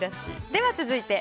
では続いて。